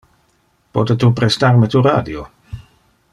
Pote tu prestar me tu radio?